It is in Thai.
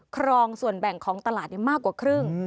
ครองส่วนแบ่งของตลาดมากกว่าครึ่ง